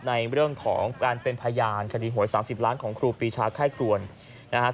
ในเรื่องของการเป็นพยานคดีหวย๓๐ล้านของครูปีชาไข้ครวนนะครับ